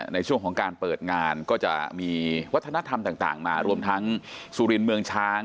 ในช่วงของการเปิดงานก็จะมีวัฒนธรรมต่างมารวมทั้งสุรินทร์เมืองช้าง